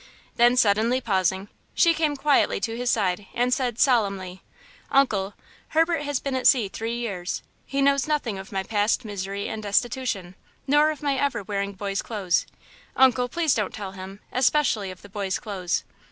Then suddenly pausing, she came quietly to his side and said, solemnly: "Uncle, Herbert has been at sea three years; he knows nothing of my past misery and destitution, nor of my ever wearing boy's clothes. Uncle, please don't tell him, especially of the boy's clothes."